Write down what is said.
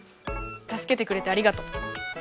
たすけてくれてありがとう。